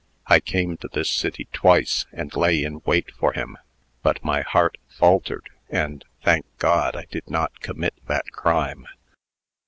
I came to this city twice, and lay in wait for him; but my heart faltered, and, thank God! I did not commit that crime.